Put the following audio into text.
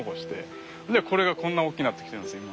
でこれがこんな大きなってきてるんですよ